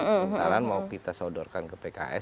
sebentaran mau kita saudarkan ke pks